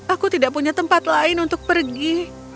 aku tidak punya tempat lain untuk pergi